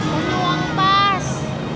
butuh uang pas